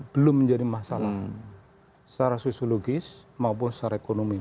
belum menjadi masalah secara sosiologis maupun secara ekonomi